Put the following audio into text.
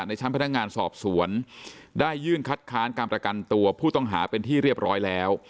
ในชั้นพนักงานสอบสวนได้ยื่นคัดค้านการประกันตัวผู้ต้องหาเป็นที่เรียบร้อยแล้ว